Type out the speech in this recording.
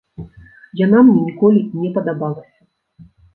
Яна мне ніколі не падабалася.